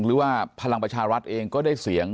หรือว่าพลังประชารัฐเองก็ได้เสียง